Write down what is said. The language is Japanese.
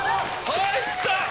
入った！